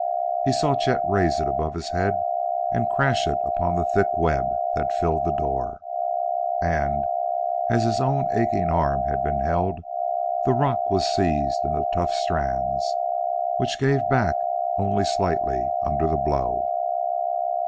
He saw Chet raise it above his head and crash it upon the thick web that filled the door. And, as his own aching arm had been held, the rock was seized in the tough strands, which gave back only slightly under the blow.